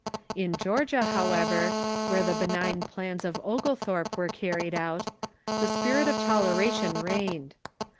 In Georgia, however, where the benign plans of Oglethorpe were carried out, the spirit of tol eration reigned.